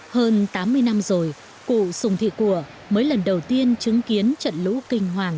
hơn tám mươi năm rồi cụ sùng thị của mới lần đầu tiên chứng kiến trận lũ kinh hoàng